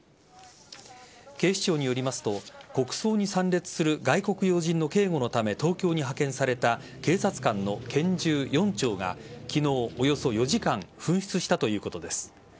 警視庁によりますと国葬に参列する外国要人の警護のため東京に派遣された警察官の拳銃４丁が昨日、およそ４時間紛失したということです。